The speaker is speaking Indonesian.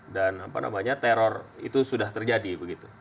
dan apa namanya teror itu sudah terjadi begitu